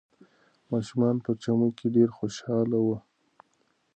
ماشومان په چمن کې ډېر خوشحاله وو.